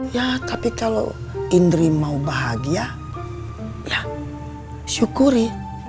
ya tapi kalau indri mau bahagia ya syukuri